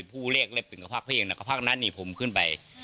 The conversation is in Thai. ผู้เรียกเรียกเป็นกระพักที่เองนะกระพักนั้นนี่ผมขึ้นไป